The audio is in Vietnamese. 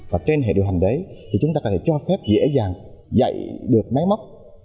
và trên hệ điều hành đấy thì chúng ta có thể cho phép dễ dàng dạy được máy móc